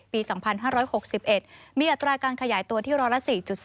ปี๒๕๖๑มีอัตราการขยายตัวที่ร้อยละ๔๒